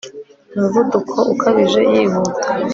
Umuvuduko ukabije yihuta